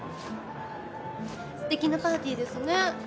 ステキなパーティーですね。